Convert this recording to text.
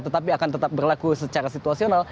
tetapi akan tetap berlaku secara situasional